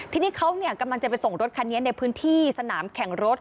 ทีนี้เขากำลังจะไปส่งรถคันนี้ในพื้นที่สนามแข่งรถ